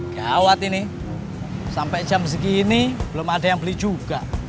gawat ini sampai jam segini belum ada yang beli juga